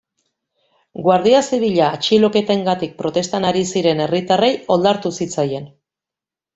Guardia Zibila atxiloketengatik protestan ari ziren herritarrei oldartu zitzaien.